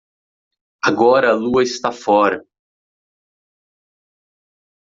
Agora a lua está fora.